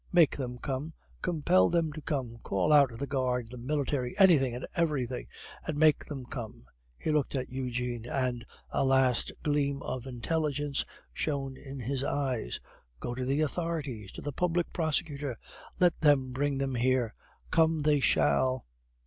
"Make them come! Compel them to come! Call out the Guard, the military, anything and everything, but make them come!" He looked at Eugene, and a last gleam of intelligence shone in his eyes. "Go to the authorities, to the Public Prosecutor, let them bring them here; come they shall!"